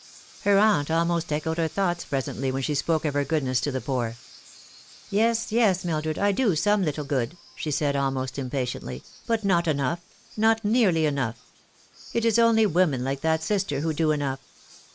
Her aunt almost echoed her thoughts presently when she spoke of her goodness to the poor. " Yes, yes, Mildred, I do some little good," she said, almost impatiently ;" but not enough not nearly enough. It is only women like that Sister who do enough.